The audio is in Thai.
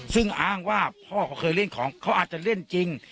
ซึ่งอ้างว่าพ่อเขาเคยเล่นของเขาอาจจะเล่นจริง